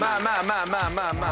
まあまあまあまあ。